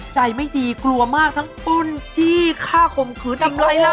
ใจไม่ดีกลัวมากทั้งปุ่นที่ค่าขมขืนทำแล้วล่างตาย